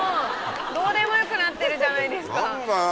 どうでもよくなってるじゃないですか。